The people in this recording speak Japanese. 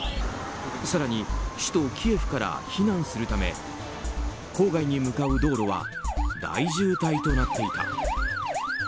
更に、首都キエフから避難するため郊外に向かう道路は大渋滞となっていた。